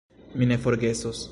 Mi ne forgesos.